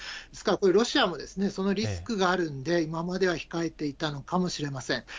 ですからロシアもそのリスクがあるんで、今までは控えていたのかもしれません。